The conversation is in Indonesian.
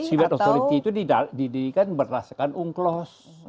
nah cyber authority itu didirikan berdasarkan unclos